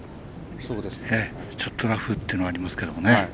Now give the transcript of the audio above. ちょっとラフというのはありますけれどもね。